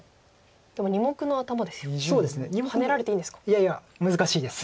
いやいや難しいです。